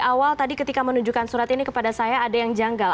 awal tadi ketika menunjukkan surat ini kepada saya ada yang janggal